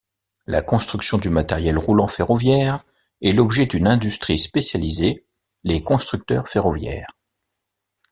La construction du matériel roulant ferroviaire est l'objet d'une industrie spécialisée, les constructeurs ferroviaires.